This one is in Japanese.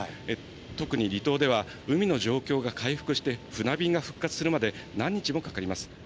特に離島では、海の状況が回復して船便が復活するまで、何日もかかります。